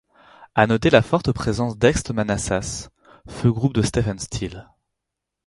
À noter la forte présence d'ex-Manassas, feu groupe de Stephen Stills.